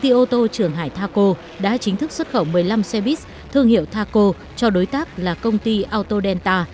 ô tô trường hải taco đã chính thức xuất khẩu một mươi năm xe buýt thương hiệu taco cho đối tác là công ty autodenta